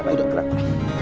bentar ya bangki